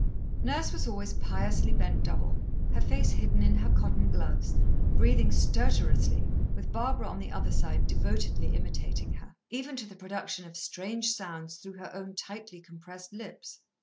Nurse was always piously bent double, her face hidden in her cotton gloves, breathing stertorously with Barbara on the other side devotedly imitating her, even to the production of strange sounds through her own tightly compressed lips.